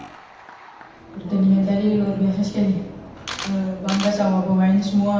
pertandingan tadi luar biasa sekali